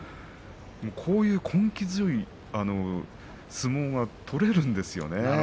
こういう根気強い相撲が取れるんですよね。